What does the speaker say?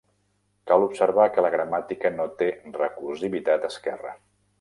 Cal observar que la gramàtica no té recursivitat esquerra.